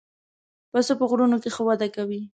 پسه په غرونو کې ښه وده کوي.